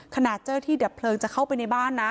ขนาดเจ้าที่เดี๋ยวเพลิงจะเข้าไปในบ้านนะ